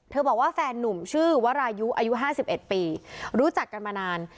เธอบอกว่าแฟนนุ่มชื่อวรายุอายุห้าสิบเอ็ดปีรู้จักกันมานาน